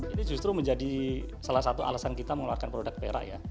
ini justru menjadi salah satu alasan kita mengeluarkan produk perak ya